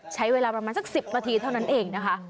ใช้เวลาประมาณสัก๑๐นาทีเท่านั้นเองนะคะ